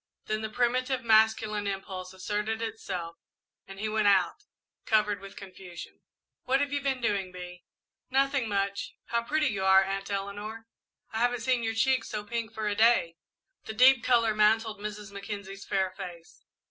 Then the primitive masculine impulse asserted itself and he went out, covered with confusion. "What have you been doing, Bee?" "Nothing much. How pretty you are, Aunt Eleanor! I haven't seen your cheeks so pink for many a day." The deep colour mantled Mrs. Mackenzie's fair face.